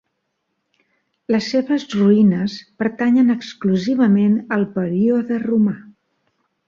Les seves ruïnes pertanyen exclusivament al període romà.